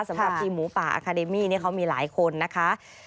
สำหรับทีมหมูป่าอาคาเดมี่เขามีหลายคนนะคะ